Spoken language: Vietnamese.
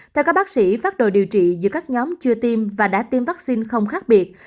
theo các bác sĩ phát đồ điều trị giữa các nhóm chưa tiêm và đã tiêm vaccine không khác biệt